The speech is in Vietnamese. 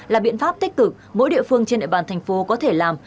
là biện pháp tích cực mỗi địa phương trên địa bàn thành phố có thể làm